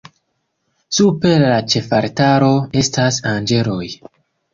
Super la ĉefaltaro estas anĝeloj.